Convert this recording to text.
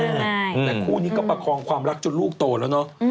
แต่คู่นี้ก็ประคองความรักจนลูกโตแล้วเนอะ